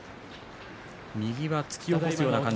右は突き起こすような感じ